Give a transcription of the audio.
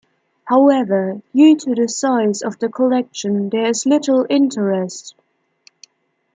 However, due to the size of the collection there is little interest.